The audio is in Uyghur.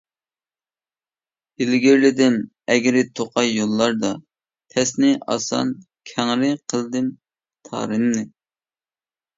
ئىلگىرىلىدىم ئەگرى-توقاي يوللاردا، تەسنى ئاسان، كەڭرى قىلدىم تارىمنى.